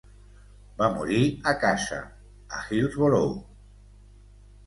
Va morir a casa, a Hillsborough.